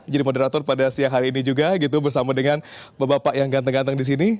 jadi moderator pada siang hari ini juga gitu bersama dengan bapak bapak yang ganteng ganteng di sini